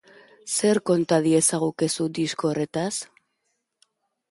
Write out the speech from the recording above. Zer konta diezagukezu disko horretaz?